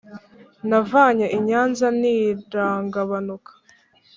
Navanye i Nyanza ntiragabanuka!